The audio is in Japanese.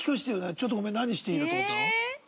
「ちょっとごめん何していい？」だと思ったの？